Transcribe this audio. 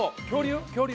恐竜？